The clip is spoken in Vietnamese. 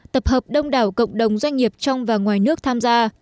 tập hợp đông đảo cộng đồng doanh nghiệp trong và ngoài nước tham gia